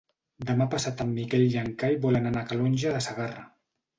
Demà passat en Miquel i en Cai volen anar a Calonge de Segarra.